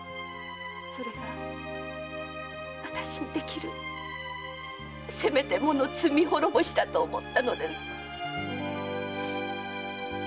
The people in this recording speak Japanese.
それが私にできるせめてもの罪滅ぼしだと思ったのです。